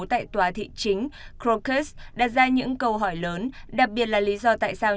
tại tòa thị chính crocus đặt ra những câu hỏi lớn đặc biệt là lý do tại sao